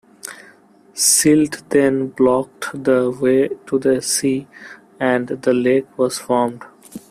Silt then blocked the way to the sea and the lake was formed.